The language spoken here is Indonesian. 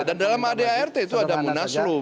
dan dalam adart itu ada munaslup